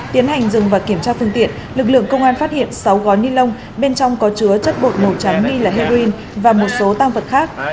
tiến hành dừng và kiểm tra phương tiện lực lượng công an phát hiện sáu gói ni lông bên trong có chứa chất bột màu trắng nghi là heroin và một số tăng vật khác